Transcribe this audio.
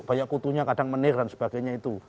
banyak kutunya kadang menir dan sebagainya itu